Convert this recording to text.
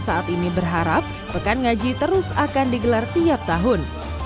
saat ini berharap pekan ngaji terus akan digelar tiap tahun